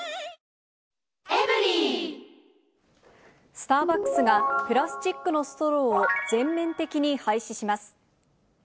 スターバックスが、プラスチックのストローを全面的に廃止します。